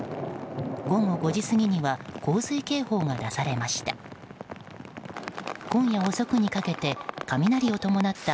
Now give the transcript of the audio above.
午後５時過ぎには洪水警報が出されました。